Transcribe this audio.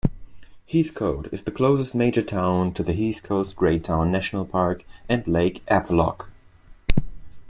Heathcote is the closest major town to the Heathcote-Graytown National Park and Lake Eppalock.